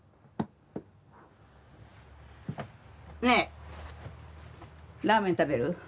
ねえラーメン食べる？